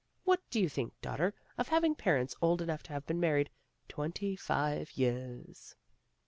What do you think, daughter, of having parents old enough to have been married twenty five years?"